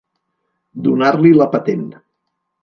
Donar-li la patent.